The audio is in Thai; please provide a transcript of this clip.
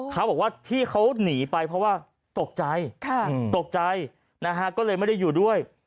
เขาบอกว่าที่เขาหนีไปเพราะว่าตกใจตกใจนะฮะก็เลยไม่ได้อยู่ด้วย